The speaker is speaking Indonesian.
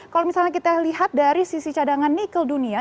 kalau misalnya kita lihat dari sisi cadangan nikel dunia